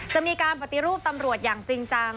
จะมีการปฏิรูปตำรวจอย่างจริงจัง